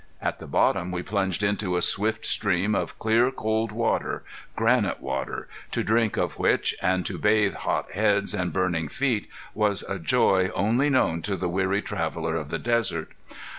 At the bottom we plunged into a swift stream of clear, cold water granite water to drink of which, and to bathe hot heads and burning feet, was a joy only known to the weary traveler of the desert.